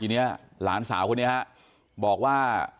ทีนี้หลานสาวนี่บอกว่า